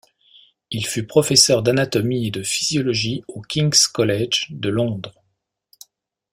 Il fut professeur d’anatomie et de physiologie au King’s College de Londres.